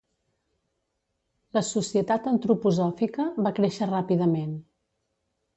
La Societat antroposòfica va créixer ràpidament.